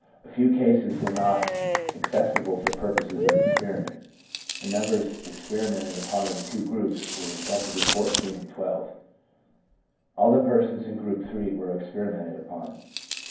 ... A few cases were not accessible for purposes of experiment. The numbers experimented upon in the two groups werq respectively 14 and 12. All the persons in Group III. were experimented upon.